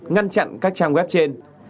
ngăn chặn các trang web trên